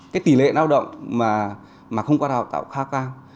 cái tỷ lệ lao động mà không qua đào tạo khá cao